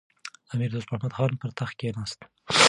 امیر دوست محمد خان پر تخت کښېناست.